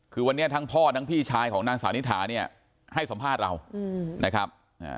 คือวันนี้ทั้งพ่อทั้งพี่ชายของนางสาวนิถาเนี่ยให้สัมภาษณ์เรานะครับ